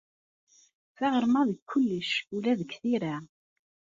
Taɣerma deg kullec, ula deg tira.